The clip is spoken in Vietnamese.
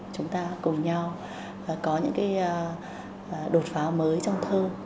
chúng ta cùng nhau có những cái đột phá mới trong thơ